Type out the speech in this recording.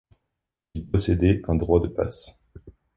Ils possédaient un droit de passe.